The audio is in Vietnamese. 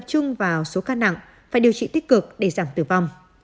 chẳng phải điều trị tích cực để giảm tử vong